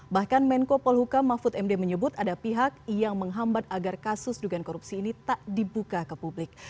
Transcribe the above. bahkan menko polhukam mahfud md menyebut ada pihak yang menghambat agar kasus dugaan korupsi ini tak dibuka ke publik